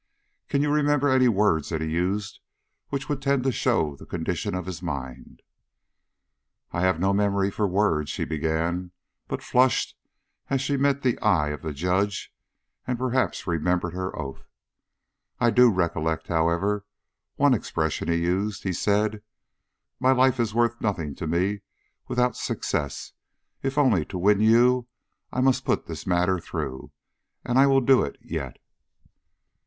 "Can you remember any words that he used which would tend to show the condition of his mind?" "I have no memory for words," she began, but flushed as she met the eye of the Judge, and perhaps remembered her oath. "I do recollect, however, one expression he used. He said: 'My life is worth nothing to me without success. If only to win you, I must put this matter through; and I will do it yet.'"